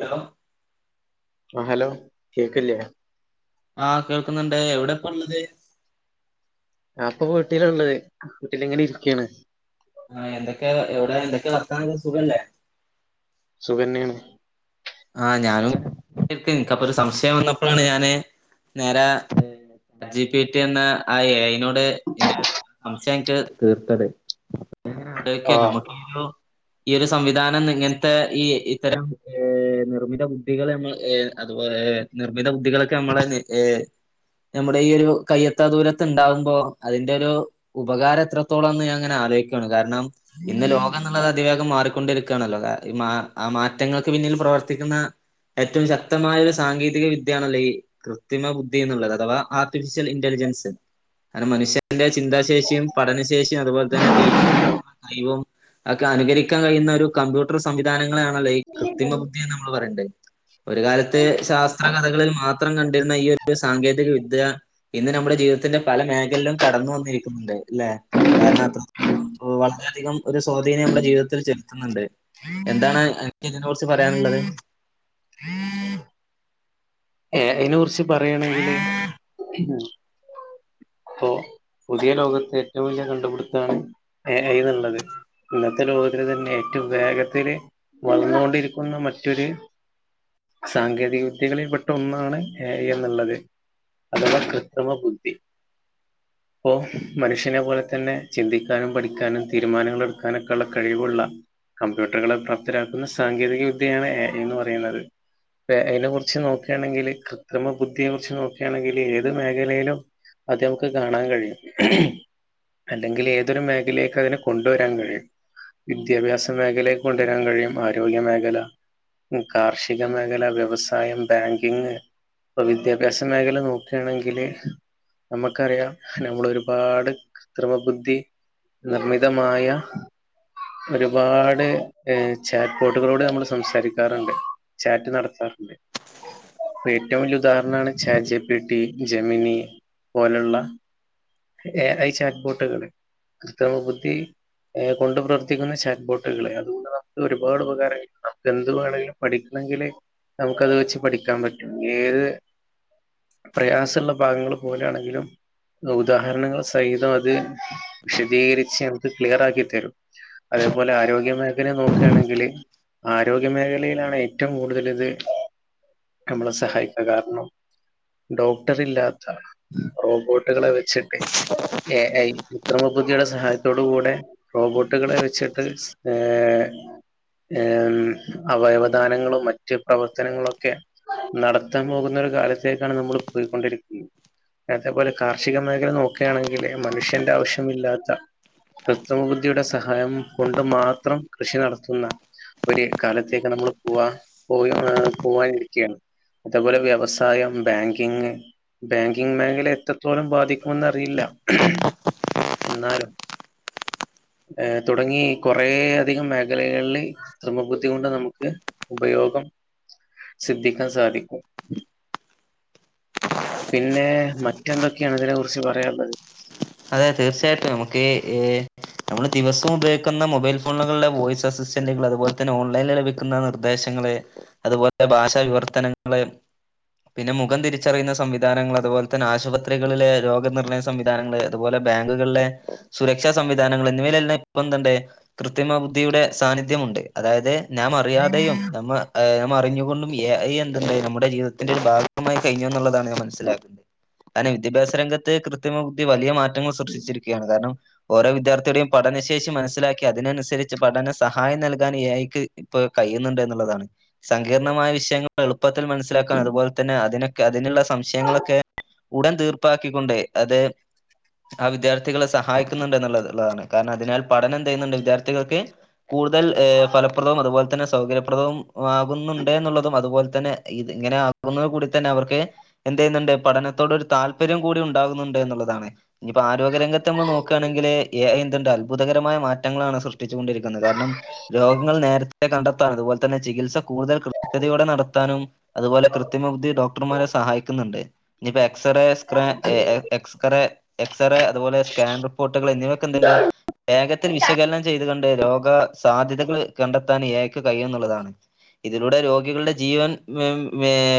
Hello ആ hello കേക്കില്ലേ? ആഹ് കേൾക്കുന്നുണ്ട്. എവിടെ ഇപ്പള്ളത്? ഞാപ്പൊ വീട്ടിലളള്ളത് വീട്ടില് ഇങ്ങനെ ഇരിക്കാണ്. ആഹ് എന്തൊക്കെ എവിടെ എന്തൊക്കെ വർത്താന സുഖല്ലേ? സുഖെന്നെയാണ്. ആഹ് ഞാനും ക്ക് നിക്കപ്പ ഒരു സംശയം വന്നപ്പോഴാണ് ഞാന് നേരെ ജി പീ റ്റി എന്ന ആ എ ഐ നോട് ന്റെ സംശയംക്ക് തീർത്തത് ആഹ് [unintelligible] ഒരു ഈ ഒരു സംവിധാനം ഇങ്ങനത്തെ ഈ ഇത്തരം ഏ നിർമ്മിത ബുദ്ധികൾ നമ്മള് എ അത് പോലെ നിർമ്മിത ബുദ്ധികളൊക്കെ നമ്മളെ ഏ നമ്മുടെ ഈ ഒരു കയ്യത്താ ദൂരത്ത് ഉണ്ടാകുമ്പോ അതിന്റെ ഒരു ഉപകാര എത്രത്തോളം എന്ന് ഞാൻ അങ്ങനെ ആലോയിക്കാണ് കാരണം ഇന്ന് ലോകന്നുള്ളത് അതിവേഗം മാറിക്കൊണ്ടിരിക്കാണല്ലോ ആ മാറ്റങ്ങള് പിന്നിൽ പ്രവർത്തിക്കുന്ന ഏറ്റവും ശക്തമായ ഒരു സാങ്കേതിക വിദ്യയാണല്ലേ ഈ കൃത്രിമ ബുദ്ധി എന്നുള്ളത് അഥവാ ആർട്ടിഫിഷ്യൽ ഇന്റൽജൻസ് അനു മനുഷ്യ ന്റെ ചിന്താശേഷിയും പഠനശേഷിയും അതുപോലെ തന്നെ തീരുമാനം ഹൈവം ഒക്കെ അനുകരിക്കാൻ കഴിയുന്ന ഒരു കമ്പ്യൂട്ടർ സംവിധാനങ്ങളാണല്ലേ ഈ കൃത്രിമ ബുദ്ധിന്ന് നമ്മള് പറയണ്ടേ ഒരു കാലത്ത് ശാസ്ത്ര കഥകളിൽ മാത്രം കണ്ടിരുന്ന ഈ ഒരു സാങ്കേതിക വിദ്യ ഇന്ന് നമ്മുടെ ജീവിതത്തിന്റെ പല മേഖലും കടന്നു വന്നിരിക്കുന്നുണ്ട് ല്ലെ കാരണം അത്രത്തോളം വളരധികം ഒരു സ്വാധീനം നമ്മുടെ ജീവിതത്തിൽ ചെലുത്തുന്നുണ്ട് എന്താണ് എനിക്ക് ഇതിനെ കുറിച്ച് പറയാനുള്ളത് എ ഐ നെ കുറിച്ച് പറയാണെങ്കില് ഉം പ്പോ പുതിയ ലോകത്ത് ഏറ്റവും വലിയ കണ്ടുപിടുത്താണ് ഏ ഐ എന്നുള്ളത് ഇന്നത്തെ ലോകത്തിലന്നെ ഏറ്റവും വേഗത്തില് വളന്നുകൊണ്ടിരിക്കുന്ന മറ്റൊരു സാങ്കേതിക വിദ്യകളിൽ പെ ട്ട ഒന്നാണ് എ ഐ എന്നുള്ളത് അഥവാ കൃത്രിമ ബുദ്ധി പ്പോ മനുഷ്യനെ പോലെ തന്നെ ചിന്തിക്കാനും പഠിക്കാനും തീരുമാനങ്ങള് എടുക്കാനൊക്കെള്ള കഴിവുള്ള കമ്പ്യൂട്ടറുകളെ പ്രാപ്തരാക്കുന്ന സാങ്കേതിക വിദ്യയാണ് എ ഐ എന്ന് പറയുന്നത് പ്പെ അയിനെ കുറിച്ച് നോക്കാണെങ്കില് കൃത്രിമ ബുദ്ധിയെ കുറിച്ച് നോക്കാണെങ്കില് ഏത് മേഖലേലും അത് നമുക്ക് കാണാൻ കഴിയും അല്ലെങ്കില് ഏതൊരു മേഖലേക്ക് അതിനെ കൊണ്ടുവരാൻ കഴിയും വിദ്യാഭ്യാസ മേഖലേക്ക് കൊണ്ടാരാൻ കഴിയും ആരോഗ്യ മേഖല കാർഷിക മേഖല വ്യവസായം ബാങ്കിങ് ഇപ്പൊ വിദ്യാഭ്യാസ മേഖല നോക്കാണെങ്കില് നമ്മക്കറിയ നമ്മള് ഒരുപാട് കൃത്രിമ ബുദ്ധി നിർമ്മിതമായ ഒരുപാട് ചാറ്റ്പോട്ടുകളോട് നമ്മള് സംസാരിക്കാറ്ണ്ട് ചാറ്റ് നടത്താറ്ണ്ട് ഇപ്പ ഏറ്റും വല്യ ഉദാഹരണാണ് ചാറ്റ്ജിപിട്ടി ജമിനി പോലള്ള എഐ ചാറ്റ് പോട്ട്കള് കൃത്രിമ ബുദ്ധി ഏ കൊണ്ട് പ്രവർത്തിക്കുന്ന ചാറ്റ്പോട്ടുകളെ അത്കൊണ്ട് നമുക്ക് ഒരുപാട് ഉപകാരങ്ങ നമുക്കെന്ത് വാണേലും പഠിക്കണെങ്കില് നമുക്കത് വെച്ച് പഠിക്കാൻ പറ്റും ഏത് പ്രയാസള്ള ഭാഗങ്ങള് പോലെയാണെങ്കിലും ഉദാഹരണങ്ങള് സഹിതം അത് വിശദീകരിച്ച് നമുക്ക് ക്ലിയറാക്കി തരും അതേപോലെ ആരോഗ്യ മേഖലയെ നോക്കാണെങ്കില് ആരോഗ്യ മേഖലയിലാണ് ഏറ്റവും കൂടുതല് ഇത് നമ്മളെ സഹായിക്കാ കാരണം ഡോക്ടർ ഇല്ലാ ത്ത റോബോട്ടുകളെ വെച്ചിട്ട് എ ഐ കൃത്രിമ ബുദ്ധിയുടെ സഹായത്തോട് കൂടെ റോബോട്ടുകളെ വെച്ചിട്ട് ഏ ഏ മ്മ് അവയവധാനങ്ങളും മറ്റ് പ്രവർത്തനങ്ങളൊ ക്കെ നടത്താൻ പോകുന്നോരു കാലത്തേക്കാണ് നമ്മള് പോയിക്കൊണ്ടിരിക്കുന്നത് അതേപോലെ കാർഷിക മേഖല നോക്കാണെങ്കില് മനുഷ്യന്റെ ആവശ്യമില്ലാത്ത കൃത്രിമ ബുദ്ധിയുടെ സഹായം കൊണ്ട് മാത്രം കൃഷി നടത്തുന്ന ഒര് കാലത്തേക്ക് നമ്മള് പോവാ പോവ് പോവാനിരിക്ക്യാണ് അതേപോലെ വ്യവസായം ബാങ്കിങ് ബാങ്കിങ് മേഖല എത്രത്തോളം ബാധിക്കുമെന്ന് അറിയില്ല എന്നാലും ഏ തുടങ്ങി കൊറേ അധികം മേഖലകള്ല് കൃത്രിമ ബുദ്ധി കൊണ്ട് നമുക്ക് ഉപയോഗം സിദ്ധിക്കാ സാധിക്കും പിന്നെ മറ്റെന്തൊക്കെയാണ് ഇതിനെ കുറിച്ച് പറയാള്ളത് അതെ തീർച്ചയായിട്ടും നമുക്ക് ഈ നമ്മള് ദിവസം ഉപയോഗിക്കുന്ന മൊബൈൽ ഫോണുകള്ലെ വോയിസ് റെസിറ്റന്റുകള് അതുപോലെത്തന്നെ ഓൺലൈൻ [unintelligible] ക്ക്ന്ന നിർദ്ദേശങ്ങള് അതുപോലെ ഭാഷ വിവർത്തനങ്ങള് പിന്നെ മുഖം തിരിച്ചറിയുന്ന സംവിധാനങ്ങള് അതുപോലെ തന്നെ ആശുപത്രികളിലെ രോഗനിർണയ സംവിധാനങ്ങള് അതുപോലെ ബാങ്കുകള്ലെ സുരക്ഷാ സംവിധാനങ്ങള് എന്നിവലെല്ലാം ഇപ്പൊ എന്ത്ണ്ട് കൃത്രിമ ബുദ്ധിയുടെ സാന്നിധ്യമുണ്ട് അതായത് ഞാം അറിയാതെയും നമ്മ [unintelligible] അറിഞ്ഞുകൊണ്ടുംഎഐ എന്തെന്ന് നമ്മുടെ ജീവിതത്തിന്റെ ഒരു ഭാഗമായി കഴിഞ്ഞുന്ന്ള്ളതാണ് ഞാൻ മനസ്സിലാക്കുന്നത് കാരണം വിദ്യാഭ്യാസ രംഗത്ത് കൃത്രിമ ബുദ്ധി വലിയ മാറ്റങ്ങൾ സൃഷ്ടിച്ചിരിക്ക്യാണ് കാരണം ഓരോ വിദ്യാർത്ഥിയുടെയും പഠനശേഷി മനസ്സിലാക്കി അതിനനുസരിച്ച് പഠന സഹായം നൽകാൻ എഐക്ക് ഇപ്പത് കഴിയുന്നുണ്ട് എന്ന്ള്ളതാണ്. സങ്കീർണമായ വിഷയങ്ങൾ എളുപ്പത്തിൽ മനസ്സിലാക്കാൻ അതുപോലെ തന്നെ അതിനൊക്കെ അതിനുള്ള സംശയങ്ങളൊക്കെ ഉടൻ തീർപ്പാക്കിക്കൊണ്ട് അത് ആ വിദ്യാർത്ഥികളെ സഹായിക്ക്ന്ന്ണ്ട്ന്ന്ള്ള് ള്ളതാണ് കാരണം അതിനാല് പഠനം എന്തെയ്യ്ന്ന്ണ്ട് വിദ്യാർത്ഥികൾക്ക് കൂടുതല് ഏ ഫലപ്രദവും അതുപോലെ തന്നെ സൗകര്യപ്രദവും ആകുന്നുണ്ട് എന്നുള്ളതും അതുപോലെ തന്നെ ഇത് ഇങ്ങനെ ആ ആകുന്നത് കൂടി തന്നെ അവർക്ക് എന്തെയ്യ്ന്നുണ്ട് പഠനത്തോടൊരു താല്പര്യം കൂടി ഉണ്ടാകുന്നുണ്ട് എന്നുള്ളതാണ്. ഇഞ്ഞ്പ്പൊ ആരോഗ്യരംഗത്ത് നമ്മള് നോക്കാണെങ്കില് എഐ എന്തുണ്ട് അത്ഭുതകരമായ മാ റ്റങ്ങളാണ് സൃഷ്ടിച്ച് കൊണ്ടിരിക്കുന്നത് കാരണം രോഗങ്ങൾ നേരത്തെ കണ്ടെത്താനും അതുപോലെ തന്നെ ചികിത്സ കൂടുതൽ കൃത്യതയോടെ നടത്താനും അതുപോലെ കൃത്രിമ ബുദ്ധി ഡോക്ടർമാരെ സഹായിക്കുന്നുണ്ട് ഇനിയിപ്പോ എക്സ്റേ എക്സറേ എക്സ്റേ എക്സ്റേ അതുപോലെ സ്കാൻ റിപ്പോർട്ടുകൾ എന്നിവയൊക്കെ എന്തുണ്ട് വേഗത്തിൽ വിശകലനം ചെയ്തുകൊണ്ട് രോഗ സാധ്യതകൾ കണ്ടെത്താൻ ഏക്ക് കൈയും എന്നുള്ളതാണ്. ഇതിലൂടെ രോഗികളുടെ ജീവൻ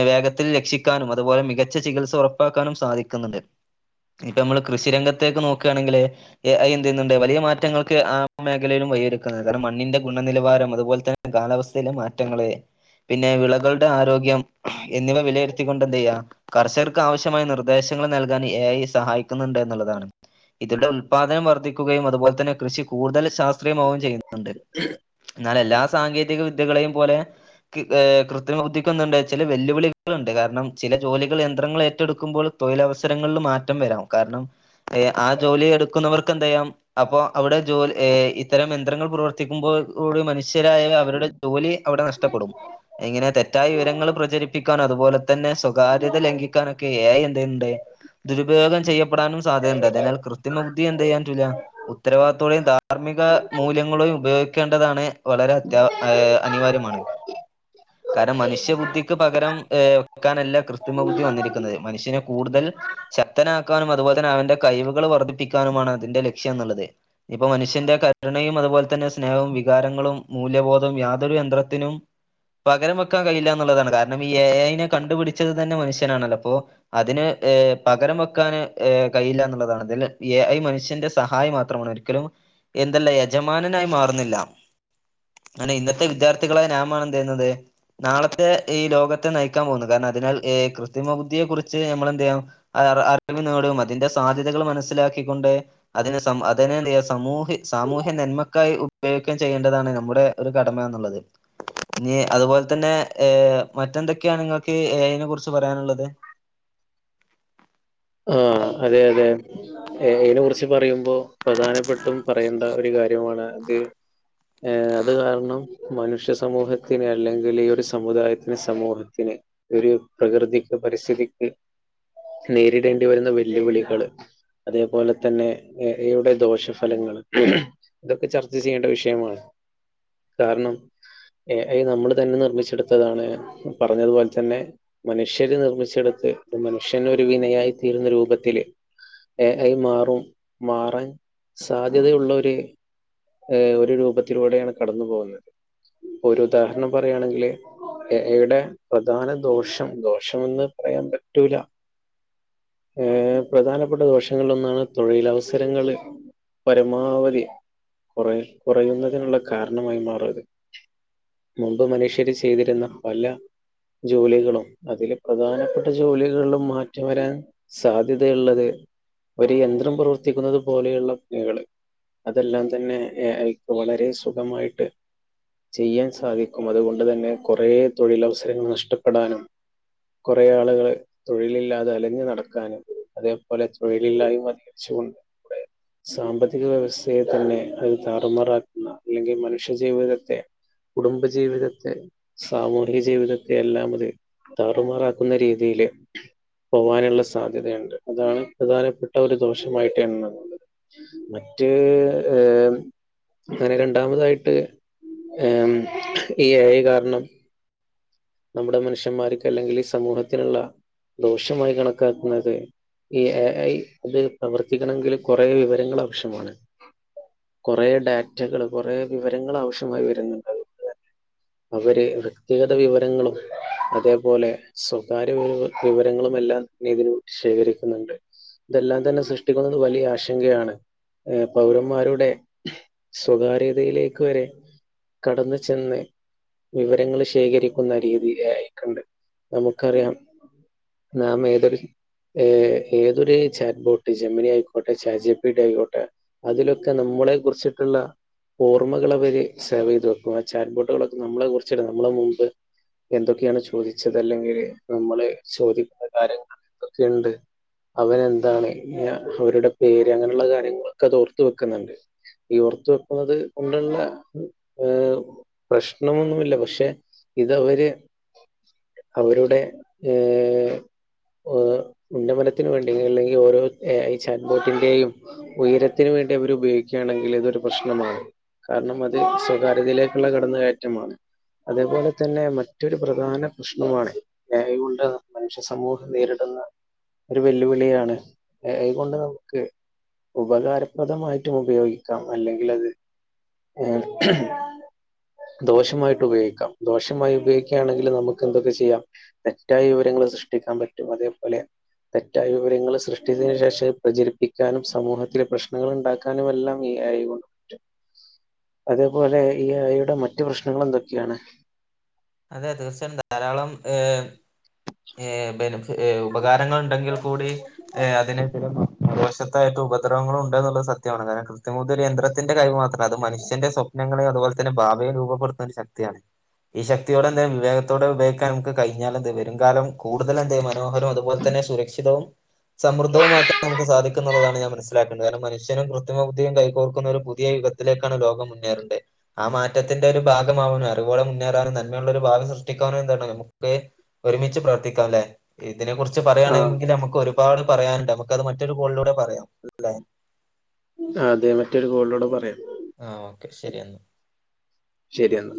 വേഗത്തിൽ രക്ഷിക്കാനും അതുപോലെ മികച്ച ചികിത്സ ഉറപ്പ പ്പാക്കാനും സാധിക്കുന്നുണ്ട്. ഇപ്പ നമ്മള് കൃഷി രംഗത്തേക്ക് നോക്കുകയാണെങ്കില് എഐ എന്ത് ചെയ്യുന്നുണ്ട് വലിയ മാറ്റങ്ങൾക്ക് ആ മേഖലയിലും വൈയൊരുക്കുന്നത് കാരണം മണ്ണിന്റെ ഗുണനിലവാരം അതുപോലെ തന്നെ കാലാവസ്ഥയിലെ മാറ്റങ്ങള് പിന്നെ വിളകളുടെ ആരോഗ്യം എന്നിവ വിലയിരുത്തിക്കൊണ്ട് എന്ത് ചെയ്യാ കർഷകർക്ക് ആവശ്യമായ നിർദ്ദേശങ്ങൾ നൽകാൻ എ ഐ സഹായി ന്നുണ്ട് എന്നുള്ളതാണ് ഇതിലെ ഉൽപാദനം വർദ്ധിക്കുകയും അതുപോലെ തന്നെ കൃഷി കൂടുതൽ ശാസ്ത്രീയമാവുകയും ചെയ്യുന്നുണ്ട്. പ [inaudible] എന്നാൽ എല്ലാ സാങ്കേതിക വിദ്യകളെയും പോലെ കൃത്രിമ ബുദ്ധിക്കണ്ട് ചില വെല്ലുവിളികളുണ്ട് കാരണം ചില ജോലികൾ യന്ത്രങ്ങൾ ഏറ്റെടുക്കുമ്പോൾ തൊഴിലവസരങ്ങളിൽ മാറ്റം വരാം കാരണം ആ ജോലി എടുക്കുന്നവർക്ക് എന്ത്യയ അപ്പൊ അവിടെ ജോലി ഇത്തരം യന്ത്രങ്ങൾ പ്രവർത്തിക്കുമ്പോൾ ഒരു മനുഷ്യരായ അവരുടെ ജോലി അവിടെ നഷ്ടപ്പെടും. എങ്ങനെ തെറ്റായ വിവരങ്ങൾ പ്രജരിപ്പി അതുപോലെ തന്നെ സ്വകാര്യത ലംഘിക്കാനൊക്കെഎ ഐ എണ്ടായ്യിണ്ട് ദുരുപയോഗം ചെയ്യ പടാനും സാധ്യതുണ്ട് അതിനാൽ കൃത്മ ബുദ്ധി എന്ത് ചെയ്യാൻപറ്റില്ല ഉത്തരവാദിത്തത്തോടെയും ധാർമ്മിക മൂല്യങ്ങളയും ഉപയോഗിക്കേണ്ടതാണ് വളരെ അത്യാ അനിവാര്യമാണ്. ഓക്ക കാരണം മനുഷ്യബുദ്ധിക്ക് പകരം ഏ വെക്കാനല്ല കൃസ്ത്രിമ ബുദ്ധി വന്നിരിക്കുന്നത് മനുഷ്യനെ കൂടുതൽ ശക്തനാക്കാനും അതുപോലെ തന്നെ അവറെ കഴിവുകൾ വർദ്ധിപ്പിക്കാനുമാണ് അതിന്റെ ലക്ഷ്യം എന്നുള്ളത്. ഇപ്പൊ മനുഷ്യന്റെ കരുണയും അതുപോലെ തന്നെ സ്നേഹവും വികാരങ്ങളും മൂല്യബോധവും യാതൊരു യന്ത്രത്തിനും പകരം വെക്കാൻ കഴിയില്ല എന്നുള്ളതാണ് കാരണം ഈ എ ഐ യിനെ കണ്ടുപിടിച്ചത് തന്നെ മനുഷ്യനാണല്ലോ അപ്പോ അതിന് പകരം വെക്ക ക്കന് കഴിയില്ല എന്നുള്ളതാണ്. അതിൽ ഏ ഐ മനുഷ്യന്റെ സഹായം മാത്രമാണ് ഒരിക്കലും എന്തല്ല യജമാനനായി മാറുന്നില്ല. അനെ ഇന്നത്തെ വിദ്യാർത്ഥികളായ നാമാണ് എന്ത് ചെയ്യുന്നത് നാളത്തെ ഈ ലോകത്തെ നയിക്കാൻ പോകുന്നു കാരണം അതിനാൽ ക്രിത്രിമ ബുദ്ധിയെ കുറിച്ച് നമ്മളെന്ത് ചെയ്യണം അറി വി നേടും അതിന്റെ സാധ്യതകൾ മനസ്സിലാക്കിക്കൊണ്ട് അതിന് സമഅതിന് സമൂഹി സാമൂഹ്യ നന്മക്കായി ഉപയോഗിക്കയും ചെയ്യേണ്ടതാണ് നമ്മുടെ ഒരു കടമ എന്നുള്ളത്. ഇനി അതുപോലെ തന്നെ ഏ മറ്റെന്തൊക്കെയാണ് നിങ്ങൾക്ക് എ ഐ നെ കുറിച്ച് പറയാനുള്ളത്. ആഹ അതെ അതെ എ ഐനെ കുറിച്ച് പറയുമ്പോ പ്രധാനപ്പെട്ടും പറയേണ്ട ഒരു കാര്യമാണ് അത് ഏ അത് കാരണം മനുഷ്യ സമൂഹത്തിന് അല്ലെങ്കില് ഈ ഒരു സമുദായത്തിന് സമൂഹത്തിന് ഒരു പ്രകൃതിക്ക് പരിസ്ഥിതിക്ക് നേരിടേണ്ടി വരുന്ന വെല്ലുവിളികള് അതേപോലെ തന്നെ എ എ യുടെ ദോഷഫലങ്ങള് ഇതൊക്കെ ചർച്ച ചെയ്യേണ്ട വിഷയമാണ് കാരണം, എ ഐ നമ്മള് തന്നെ നിർമ്മിച്ചെടുത്തതാണ്. പറഞ്ഞതുപോലെ തന്നെ മനുഷ്യര് നിർമ്മിച്ചെടുത്ത് മനുഷ്യനൊ ഒരു വിനയായി തീരുന്ന രൂപത്തില് എ ഐ മാറും മാറാൻ സാധ്യതയുള്ളരു ഏ ഒരു രൂപത്തിലൂടെയാണ് കടന്നു പോകുന്നത്. ഒരു ഉദാഹരണം പറയുകയാണെങ്കില് എ ഐ യുടെ പ്രധാന ദോഷം ദോശമെന്നു പറയാൻ പറ്റൂല ഏ പ്രധാനപ്പെട്ട ദോഷങ്ങളിലൊന്നാണ് തൊഴിലവസരങ്ങള് പരമാവധി കുറെ കുറയുന്നതിനുള്ള കാരണമായി മാറാത് മുമ്പ് മനുഷ്യര് ചെയ്തിരുന്ന പല ജോലികളും അതില് പ്രധാനപ്പെട്ട ജോലികളിലും മാറ്റം വരാൻ സാധ്യതയുള്ളത് ഒരു യന്ത്രം പ്രവർത്തിക്കുന്നത് പോലെയുള്ള [unintelligible] അതെല്ലാം തന്നെ എ ഐ ക്ക് വളരെ സുഖമായിട്ട് ചെയ്യാൻ സാധിക്കും അതുകൊണ്ട് തന്നെ കുറേ തൊഴിലവസരങ്ങൾ നഷ്ടപ്പെടാനും കൊറേ ആളുകള് തൊഴിലില്ലാതെ അലഞ്ഞ് നട ക്കാനും അതേപോലെ തൊഴിലില്ലായ്മ അധികച്ചൊണ്ട് സാമ്പത്തിക വ്യവസ്ഥയെ തന്നെ അത് താറുമാറാക്കുന്ന അല്ലെങ്കി മനുഷ്യ ജീവിതത്തെ കുടുംബ ജീവിതത്തെ സാമൂഹിക ജീവിതത്തെ എല്ലാം അത് താറുമാറാക്കുന്ന രീതിയില് പോവാനുള്ള സാധ്യതയുണ്ട് അതാണ് പ്രധാനപ്പെട്ട ഒരു ദോഷമായിട്ട് ഞാൻ കാണുന്നത് മറ്റ് ഏഹ് അങ്ങനെ രണ്ടാമതായിട്ട് ഏഹ് ഈ എ ഐ കാരണം നമ്മുടെ മനുഷ്യന്മാർക്ക് അല്ലെങ്കില് ഈ സമൂഹത്തിനുള്ള ദോഷമായി കണക്കാക്കുന്നത് ഈ എ ഐ ഇത് പ്രവർത്തിക്കണങ്കില് കൊറേ വിവരങ്ങള് ആവശ്യമാണ് കൊറേ ഡേറ്റകള് കൊറെ വിവരങ്ങള് ആവശ്യമായി വരുന്നുണ്ട് അവര് വ്യക്തിഗത വിവരങ്ങളും അതേപോലെ സ്വകാര്യ വിവ വിവരങ്ങളുമെല്ലാം ഇതിന് ശേഖരിക്കുന്നുണ്ട് ഇതെല്ലാ തന്നെ സൃഷ്ടിക്കുന്നത് വലിയ ആശങ്കയാണ് ഏഹ് പൗരന്മാരുടെ സ്വകാര്യതയിലേക്ക് വരെ കടന്ന് ചെന്ന് വിവരങ്ങള് ശേഖരി ക്കുന്ന രീതി ഏ ഐ ക്കുണ്ട് നമുക്കറിയാം നാം ഏതൊരു ഏഹ് ഏതൊരു ചാറ്റ് ബോട്ട് ജമനി ആയിക്കോട്ടെ ചാറ്റ്ജിപിറ്റി ആയിക്കോട്ടെ അതിലൊക്കെ നമ്മളെ കുറിച്ചിട്ടുള്ള ഓർമ്മകള് അവര് സേവ് ചെയ്ത് വെക്കും ആ ചാറ്റ് ബോട്ടുകളൊക്കെ നമ്മളെ കുറിച്ച് നമ്മളെ മുമ്പ് എന്തൊക്കെയാണ് ചോദിച്ചത് അല്ലെങ്കില് നമ്മള് ചോദിക്കുന്ന കാര്യങ്ങളൊക്ക എന്തൊക്കെയുണ്ട് അവനെന്താണ് അവരുടെ പേര് അങ്ങനെയുള്ള കാര്യങ്ങളൊക്കത് ഓർത്തു വെക്കുന്നുണ്ട് ഈ ഓർത്തു വെക്കുന്നത് കൊണ്ടുള്ള ഏഹ് പ്രശ്നമൊന്നുമില്ല പക്ഷെ ഇതവര് അവരുടെ ഏഹ് ഓഹ് ഉന്നമനത്തിനുവേണ്ടി അല്ലെങ്കിൽ ഓരോ എ ഐ ചാറ്റ് ബോട്ടിന്റെയും ഉയരത്തിന് വേണ്ടി അവര് ഉപയോഗിക്കുകയാണെങ്കില് ഇതൊരു പ്രശ്നമാണ് കാരണം അത് സ്വകാര്യതയിലേക്കുള്ള കടന്നുകയറ്റമാണ് അതേപോലെ തന്നെ മറ്റൊരു പ്രധാന പ്രശ്നമാണ് എ യൂണ്ട മനുഷ്യ സമൂഹം നേരിടുന്ന ഒരു വെല്ലുവിളിയാണ് എ ഐ കൊണ്ട് നമുക്ക് ഉപകാരപ്രദമായിട്ടും ഉപയോഗിക്കാം അല്ലെങ്കിൽ അത് ഏഹ് ദോഷമായിട്ടും ഉപയോഗിക്കാം ദോഷമായി ഉപയോഗിക്കുകയാണെങ്കിൽ നമുക്ക് എന്തൊക്കെ ചെയ്യാം തെറ്റായ വിവരങ്ങൾ സൃഷ്ടിക്കാൻ പറ്റും അതേപോലെ തെറ്റായ വിവരങ്ങൾ സൃഷ്ടിച്ചതിനു ശേഷം പ്രചരിപ്പിക്കാനും സമൂഹത്തിലെ പ്രശ്നങ്ങൾ ഉണ്ടാക്ക നും എല്ലാം ഈ എ ഐ കൊണ്ടു പറ്റും അതേപോലെ ഈ ഐ യുടെ മറ്റു പ്രശ്നങ്ങൾ എന്തൊക്കെയാണ് അതെ തീർച്ചയായും ധാരാളം ഏഹ് ഏഹ് ബെനഫ ഏഹ് ഉപകാരങ്ങൾ ഉണ്ടെങ്കിൽ കൂടി അതിന് [unintelligible] മറു വശത്തായിട്ട് ഉപദ്രവങ്ങളും ഉണ്ട് എന്നുള്ള സത്യമാണ് കാരണം കൃത്യമൂ ഒരു യന്ത്രത്തിന്റെ കൈ മാത്രമാണ് അത് മനുഷ്യന്റെ സ്വപ്നങ്ങളെയും അതുപലെ തന്നെ ഭാവിയെ രൂപപ്പെടുത്തുന്ന ഒരു ശക്തിയാണ് ഈ ശക്തിയോടെ എന്തേലും വിവേകത്തോടെ ഉപയോഗിക്കാൻ നമുക്ക് കഴഞ്ഞാൽ എന്ത് വരും കാലം കൂടുതൽ എന്ത മനോഹരവും അതുപോലെ തന്നെ സുരക്ഷിതവും സമൃദ്ധവുമാക്കാൻ നമുക്ക് സാധിക്കും എന്നുള്ളതാണ് ഞാൻ മനസ്സിലാ ക്കുന്നത് കാരണം മനുഷ്യനും കൃത്രിമ ബുദ്ധിയും കൈകോർക്കുന്ന ഒരു പുതിയ യുഗത്തിലേക്കാണ് ലോകം മുന്നേറണ്ടെ ആ മാറ്റത്തിന്റെ ഒരു ഭാഗമാവാനും അറിവോളെ മുന്നേറാനും നന്മയുള്ള ഒരു ഭാഗം സൃഷ്ടിക്കാനോ എന്താണ് നമക്കിപ്പേ ഒരുമിച്ച് പ്രവർത്തിക്കാം അല്ലെ ഇതിനെ കുറിച്ച് ആ പറയുകയാണെങ്കിൽ നമുക്ക് ഒരു പാട് പറയാനുണ്ട് നമുക്ക് അത് മറ്റൊരു കോളിലൂടെ പറയാം അല്ലെ അതെ മറ്റൊരു കോളിലോടെ പറയാം ആഹ ഓക്കെ ശരിയാ... ശരിയാണ്..